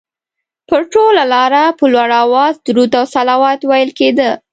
پر ټوله لاره په لوړ اواز درود او صلوات ویل کېده.